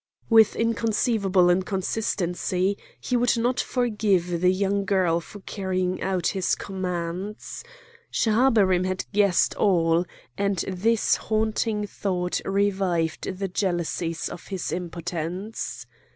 With inconceivable inconsistency he could not forgive the young girl for carrying out his commands; Schahabarim had guessed all, and this haunting thought revived the jealousies of his impotence.